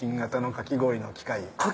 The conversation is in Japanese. かき氷の機械？